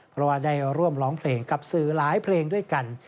เพราะว่าได้ร่วมร้องเพลงกับสื่อหลายเพลงด้วยกัน